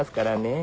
え